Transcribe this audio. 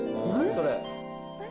それ。